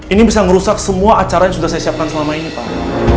ini bisa merusak semua acara yang sudah saya siapkan selama ini pak